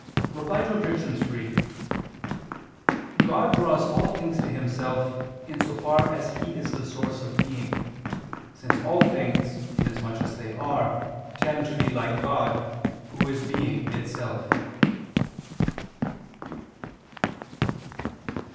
Reply Obj. 3: God draws all things to Himself, in so far as He is the source of being, since all things, in as much as they are, tend to be like God, Who is Being itself.